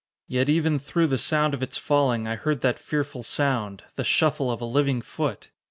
Yet even through the sound of its falling, I heard that fearful sound the shuffle of a living foot!